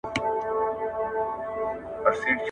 که انلاین ټولګي وي، نو مرسته لږه وي.